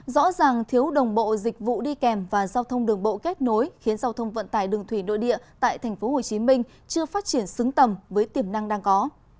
rõ ràng thiếu đồng bộ dịch vụ đi kèm và giao thông đường bộ kết nối khiến giao thông vận tải đường thủy nội địa tại tp hcm chưa phát triển xứng tầm với tiềm năng đang có